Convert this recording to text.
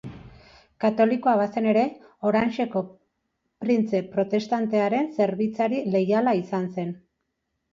Katolikoa bazen ere, Orangeko printze protestantearen zerbitzari leiala izan zen.